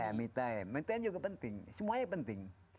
ya me time me time juga penting semuanya penting